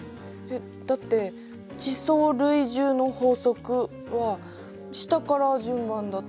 えっだって「地層累重の法則」は下から順番だって。